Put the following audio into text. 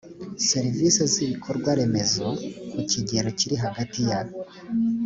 serivisi z ibikorwaremezo ku kigero kiri hagati ya